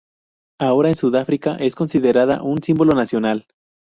Ahora en Sudáfrica es considerada un símbolo nacional.